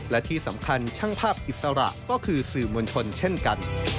และที่สำคัญช่างภาพอิสระก็คือสื่อมวลชนเช่นกัน